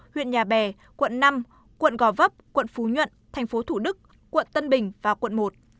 huyện nhà bè quận năm quận gò vấp quận phú nhuận tp thủ đức quận tân bình và quận một